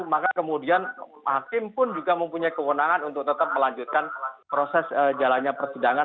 maka kemudian hakim pun juga mempunyai kewenangan untuk tetap melanjutkan proses jalannya persidangan